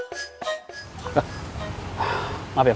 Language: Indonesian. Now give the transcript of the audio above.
tak ada keterangan air matahari lagi